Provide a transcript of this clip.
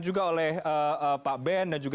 juga oleh pak ben dan juga